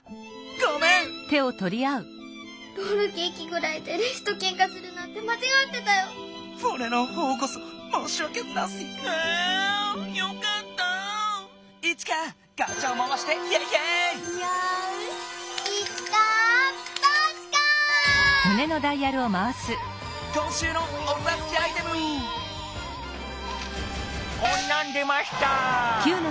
こんなん出ました。